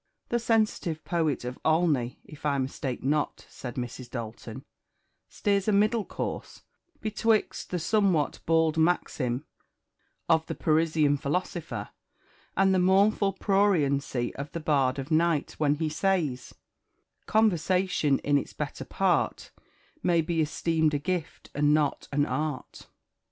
"The sensitive poet of Olney, if I mistake not," said Mrs. Dalton, "steers a middle course, betwixt the somewhat bald maxim of the Parisian philosopher and the mournful pruriency of the Bard of Night, when he says, 'Conversation, in its better part, May be esteem'd a gift, and not an art.'"